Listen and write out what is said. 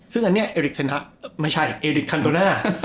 ซึ่งอันนี้เอริกชนะไม่ใช่เอริกคันโตน่า